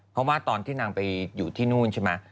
เพราะว่าตอนที่นางไปอยู่ที่นู่นใช่ไหม